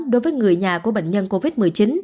đối với người nhà của bệnh nhân covid một mươi chín